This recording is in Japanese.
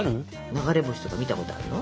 流れ星とか見たことあるの？